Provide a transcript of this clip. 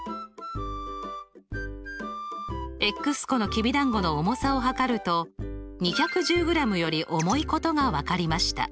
個のきびだんごの重さを量ると２１０ｇより重いことが分かりました。